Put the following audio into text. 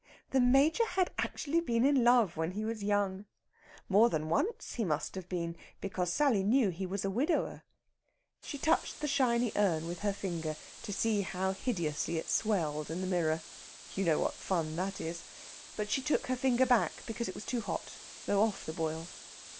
The Major had actually been in love when he was young. More than once he must have been, because Sally knew he was a widower. She touched the shiny urn with her finger, to see how hideously it swelled in the mirror. You know what fun that is! But she took her finger back, because it was too hot, though off the boil.